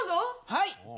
はい。